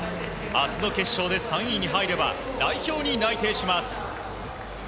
明日の決勝で３位に入れば代表に内定します。